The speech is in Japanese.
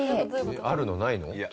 あるの？ないの？ない？